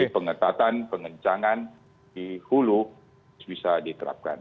jadi pengetatan pengencangan di hulu bisa diterapkan